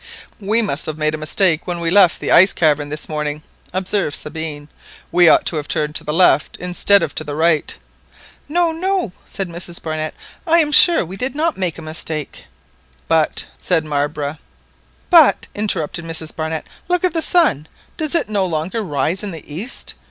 "We must have made a mistake when we left the ice cavern this morning," observed Sabine, "we ought to have turned to the left instead of to the right." "No, no," said Mrs Barnett, "I am sure we did not make a mistake!" "But"——said Marbre. "But," interrupted Mrs Barnett, "look at the sun. Does it no longer rise in the east?